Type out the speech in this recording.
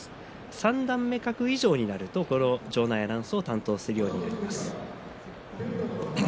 三段目格以上になるとこの場内アナウンスを担当するようになります。